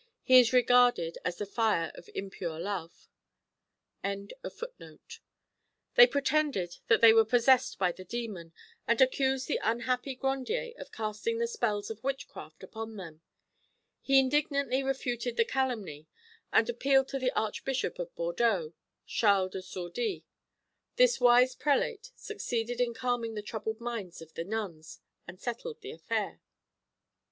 He is regarded as the fire of impure love.] They pretended that they were possessed by the demon, and accused the unhappy Grandier of casting the spells of witchcraft upon them. He indignantly refuted the calumny, and appealed to the Archbishop of Bordeaux, Charles de Sourdis. This wise prelate succeeded in calming the troubled minds of the nuns, and settled the affair.